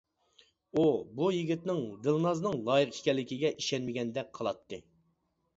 ئۇ بۇ يىگىتنىڭ دىلنازنىڭ لايىقى ئىكەنلىكىگە ئىشەنمىگەندەك قىلاتتى.